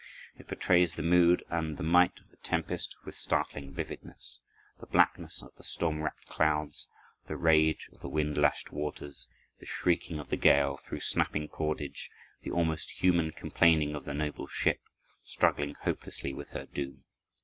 It portrays the mood and the might of the tempest with startling vividness, the blackness of the storm racked clouds, the rage of the wind lashed waters, the shrieking of the gale through snapping cordage, the almost human complaining of the noble ship, struggling hopelessly with her doom.